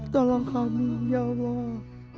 tolong kami ya allah